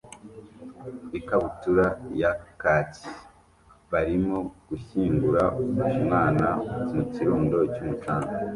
ikabutura ya khaki barimo gushyingura umwana mukirundo cyumucanga